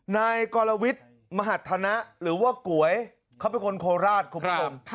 นายกรวิทย์มหัฒนะหรือว่าก๋วยเขาเป็นคนโคราชคุณผู้ชม